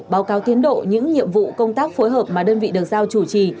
báo cáo tiến độ những nhiệm vụ công tác phối hợp mà đơn vị được giao chủ trì